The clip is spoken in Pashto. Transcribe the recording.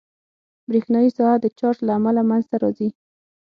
برېښنایي ساحه د چارج له امله منځته راځي.